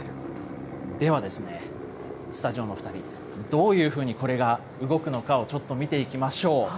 では、スタジオの２人、どういうふうにこれが動くのかをちょっと見ていきましょう。